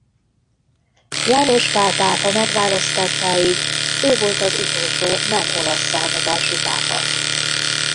János Pál pápa megválasztásáig ő volt az utolsó nem olasz származású pápa.